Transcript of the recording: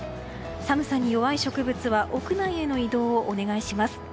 寒さに弱い植物は屋内への移動をお願いします。